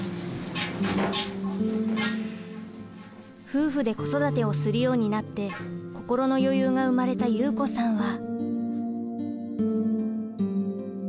夫婦で子育てをするようになって心の余裕が生まれた祐子さんは。